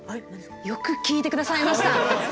よく聞いて下さいました。